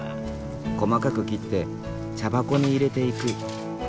細かく切って茶箱に入れていく。